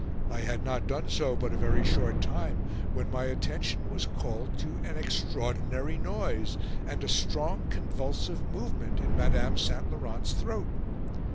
I had not done so but a very short time, when my attention was called to an extraordinary noise and a strong convulsive movement in Madame St. Laurent's throat.